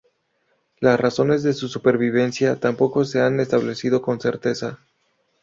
Las razones de su supervivencia tampoco se han establecido con certeza.